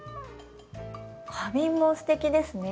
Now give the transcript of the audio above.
花瓶もすてきですね。